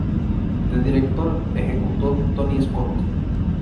De director ejecutó Tony Scott.